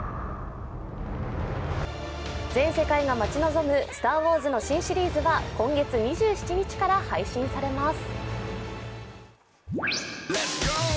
全世界が待ち望む「スター・ウォーズ」の新シリーズは今月２７日から配信されます。